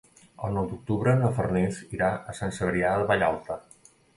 El nou d'octubre na Farners irà a Sant Cebrià de Vallalta.